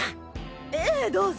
ええどうぞ。